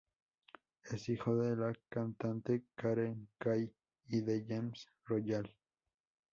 Es hijo de la cantante Karen Kay y de James Royal.